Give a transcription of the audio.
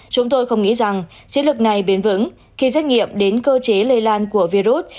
chúng tôi không nghĩ rằng chiến lược này bền vững khi xét nghiệm đến cơ chế lây lan của virus